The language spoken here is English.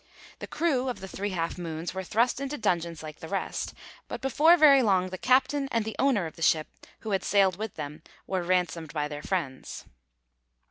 The crew of the 'Three Half Moons' were thrust into dungeons like the rest, but before very long the captain and the owner of the ship, who had sailed with them, were ransomed by their friends.